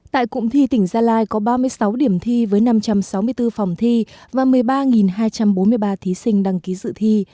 tại cụm thi tỉnh gia lai có ba mươi sáu điểm thi với năm trăm sáu mươi bốn phòng thi và một mươi ba hai trăm bốn mươi ba thí sinh đăng ký dự thi